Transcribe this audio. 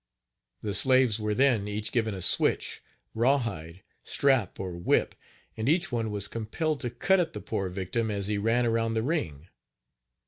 The slaves were then each given a switch, rawhide, strap or whip, and each one was compelled to cut at the poor victim as he ran around the ring.